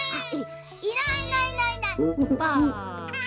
「いないいないいないばあ」。